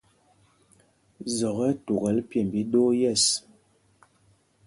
Zɔk ɛ́ ɛ́ tukɛl pyêmb íɗoo yɛ̂ɛs.